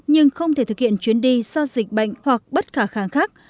nhưng không thể thực hiện chuyến đi do dịch bệnh hoặc bất khả kháng khác